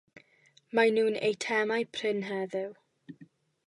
Maen nhw'n eitemau prin heddiw.